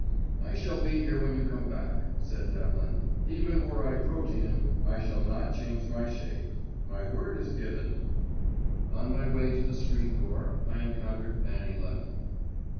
"I shall be here when you come back," said Devlin. "Even were I protean, I shall not change my shape. My word is given." On my way to the street door I encountered Fanny Lemon.